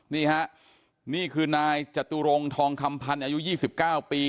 นี่ฮะนี่คือนายจตุรงทองคำพันธ์อายุ๒๙ปี